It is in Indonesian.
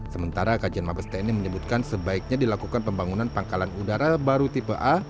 sementara kajian mabes tni menyebutkan sebaiknya dilakukan pembangunan pangkalan udara baru tipe a